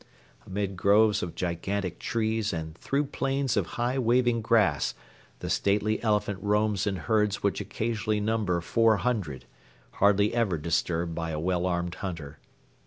Amid groves of gigantic trees and through plains of high waving grass the stately elephant roams in herds which occasionally number four hundred, hardly ever disturbed by a well armed hunter.